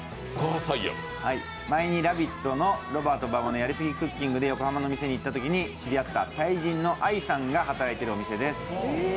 前に「ラヴィット！」の「ロバート馬場のやりすぎクッキング」で横浜の店に行ったときに知り合ったタイ人のアイさんが働いているお店です。